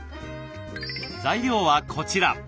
材料はこちら。